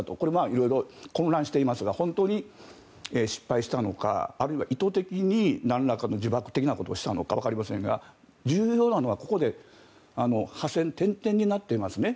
色々混乱していますが本当に失敗したのかあるいは意図的になんらかの自爆的なことをしたのか重要なのはここで破線点々になっていますね。